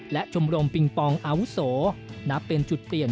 และชมรมปิงปองอาวุโสนับเป็นจุดเปลี่ยน